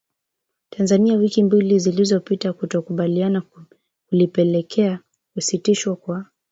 Tanzania wiki mbili zilizopita kutokukubaliana kulipelekea kusitishwa kwa